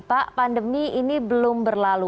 pak pandemi ini belum berlalu